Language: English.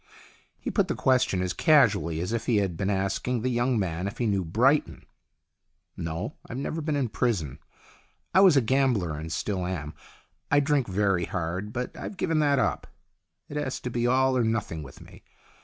He put the question as casually as if he had been asking the young man if he knew Brighton. " No, I've never been in prison. I was a gambler and still am. I drank very hard, but I've given that up. It has to be all or nothing with me.